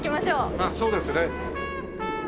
ああそうですね。